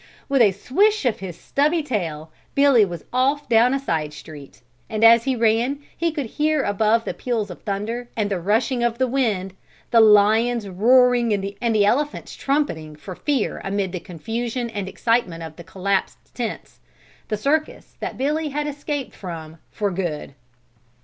With a swish of his stubby tail Billy was off down a side street, and as he ran he could hear above the peals of the thunder and the rushing of the wind, the lions roaring and the elephants trumpeting for fear amid the confusion and excitement of the collapsed tents, the circus that Billy had escaped from for good.